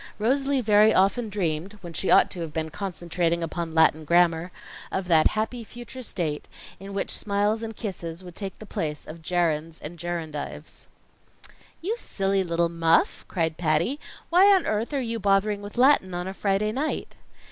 Rosalie very often dreamed when she ought to have been concentrating upon Latin grammar of that happy future state in which smiles and kisses would take the place of gerunds and gerundives. "You silly little muff!" cried Patty. "Why on earth are you bothering with Latin on a Friday night?"